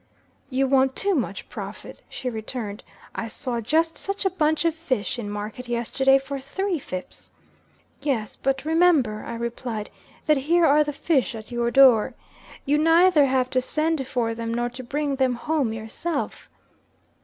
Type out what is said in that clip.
'You want too much profit,' she returned; 'I saw just such a bunch of fish in market yesterday for three fips.' 'Yes, but remember,' I replied, 'that here are the fish at your door. You neither have to send for them nor to bring them home yourself.'